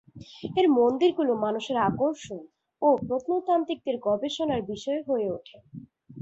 এর মন্দিরগুলো মানুষের আকর্ষণ ও প্রত্নতাত্ত্বিকদের গবেষণার বিষয় হয়ে ওঠে।